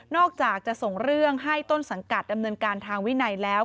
อกจากจะส่งเรื่องให้ต้นสังกัดดำเนินการทางวินัยแล้ว